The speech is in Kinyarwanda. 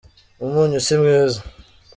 umunyu simwiza.